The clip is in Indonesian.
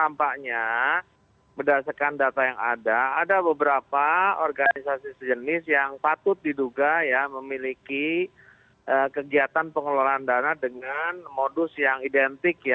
tampaknya berdasarkan data yang ada ada beberapa organisasi sejenis yang patut diduga memiliki kegiatan pengelolaan dana dengan modus yang identik